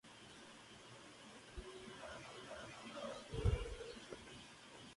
El período de vuelo es entre junio y noviembre, con una o dos crías.